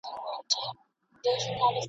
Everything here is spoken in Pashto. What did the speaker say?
ښځي د ټولني نیمايي برخه ده.